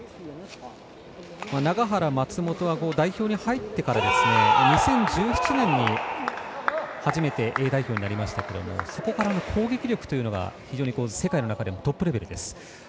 永原、松本は代表に入ってから２０１７年に初めてＡ代表になりましたがそこから攻撃力というのが世界の中でもトップクラスです。